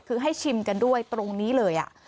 คือให้ชิมกันด้วยตรงนี้เลย